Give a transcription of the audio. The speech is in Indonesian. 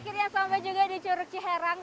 akhirnya sampai juga di curug ciherang